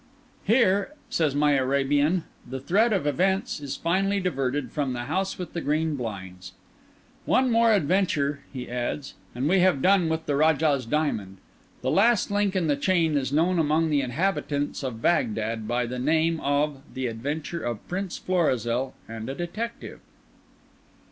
(Here, says my Arabian, the thread of events is finally diverted from The House with the Green Blinds. One more adventure, he adds, and we have done with The Rajah's Diamond. That last link in the chain is known among the inhabitants of Bagdad by the name of The Adventure of Prince Florizel and a Detective.)